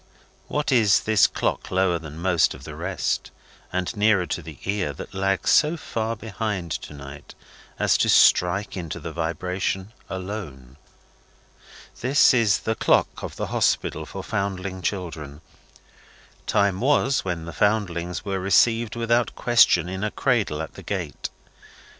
What is this clock lower than most of the rest, and nearer to the ear, that lags so far behind to night as to strike into the vibration alone? This is the clock of the Hospital for Foundling Children. Time was, when the Foundlings were received without question in a cradle at the gate.